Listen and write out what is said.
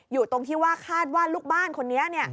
อยู่ตรงที่ว่าคาดว่าลูกบ้านคนนี้